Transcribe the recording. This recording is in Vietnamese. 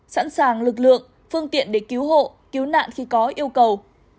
sẵn sàng lực lượng phương tiện để cứu hộ cứu nạn khi có yêu cầu